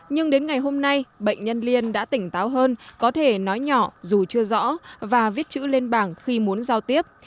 nhưng đến ngày hôm nay bệnh nhân liên đã tỉnh táo hơn có thể nói nhỏ dù chưa rõ và viết chữ lên bảng khi muốn giao tiếp